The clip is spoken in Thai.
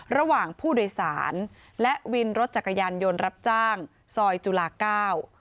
ระหว่างผู้โดยสารและวินรถจักรยานยนต์รับจ้างซอยจุฬาเก้า